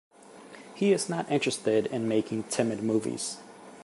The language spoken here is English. He is not interested in making timid movies.